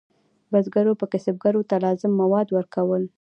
بزګرو به کسبګرو ته لازم مواد ورکول.